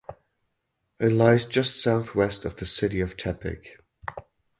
It lies just southwest of the city of Tepic.